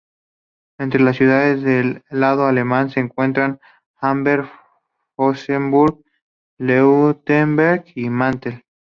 Entre las ciudades del lado alemán se encuentran Amberg, Flossenbürg, Leuchtenberg y Mantel.